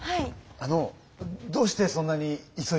あのどうしてそんなに急いでるんですか？